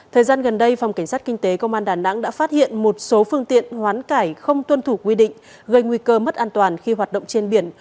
thời gian gần đây phòng cảnh sát kinh tế công an đà nẵng đã phát hiện một số phương tiện hoán cải không tuân thủ quy định gây nguy cơ mất an toàn khi hoạt động trên biển